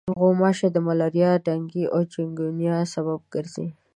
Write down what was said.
غوماشې د ملاریا، ډنګي او چکنګونیا سبب ګرځي.